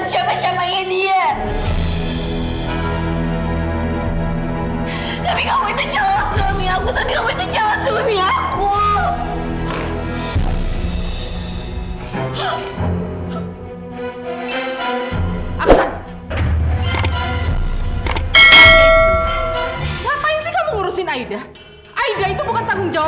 sampai jumpa di video selanjutnya